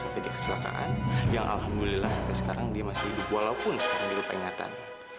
pak saya ingin melaporkan